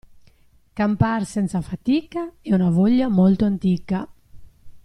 Campar senza fatica è una voglia molto antica.